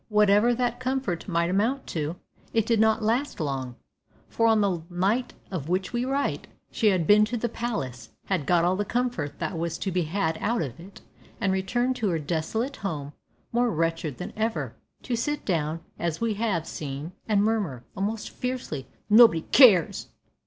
Whatever that comfort might amount to, it did not last long, for, on the night of which we write, she had been to the palace, had got all the comfort that was to be had out of it, and returned to her desolate home more wretched than ever, to sit down, as we have seen, and murmur, almost fiercely, "Nobody cares."